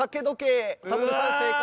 タモリさん正解。